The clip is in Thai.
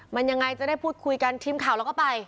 มันยังไงจะได้พูดคุยกันทีมข่าวเราก็ไป